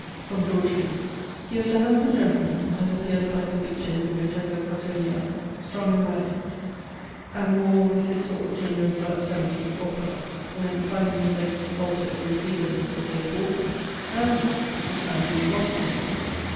From George Lee: he was a handsome gentleman (as appeares by his picture in Bibliotheca Cottoniana), strong and valiant, and wore allwayes his sword, till he was about 70 or +, when, finding his legges to faulter through feeblenes as he was walking, 'Now,' said he, ''tis time to leave off my sword.'